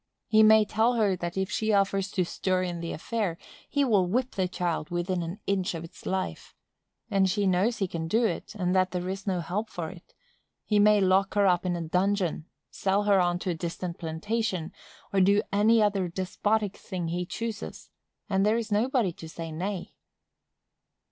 He may tell her that if she offers to stir in the affair, he will whip the child within an inch of its life; and she knows he can do it, and that there is no help for it;—he may lock her up in a dungeon, sell her on to a distant plantation, or do any other despotic thing he chooses, and there is nobody to say Nay.